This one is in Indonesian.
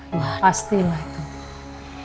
iya iya pastilah itu